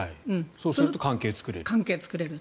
そうすると関係が作れる。